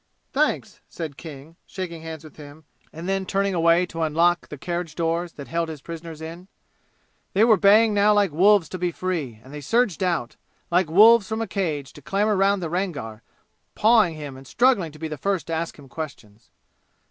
"Thanks," said King, shaking hands with him, and then turning away to unlock the carriage doors that held his prisoners in. They were baying now like wolves to be free, and they surged out, like wolves from a cage, to clamor round the Rangar, pawing him and struggling to be first to ask him questions.